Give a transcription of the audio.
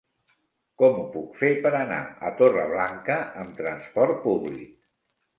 Com ho puc fer per anar a Torreblanca amb transport públic?